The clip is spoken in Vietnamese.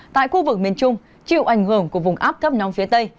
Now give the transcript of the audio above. tại khu vực miền trung chịu ảnh hưởng của vùng áp thấp nóng phía tây